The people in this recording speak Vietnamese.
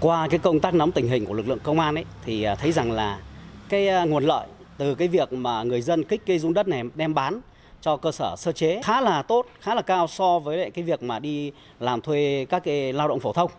qua công tác nắm tình hình của lực lượng công an thấy rằng nguồn lợi từ việc người dân kích dùng đất này đem bán cho cơ sở sơ chế khá là tốt khá là cao so với việc đi làm thuê các lao động phổ thông